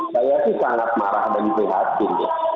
saya sih sangat marah dan diperhatikan